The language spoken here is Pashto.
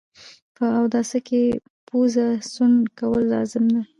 په اوداسه کي پوزه سوڼ کول لازم ده